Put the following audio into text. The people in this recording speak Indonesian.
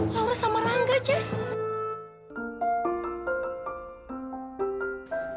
laura sama rangga jess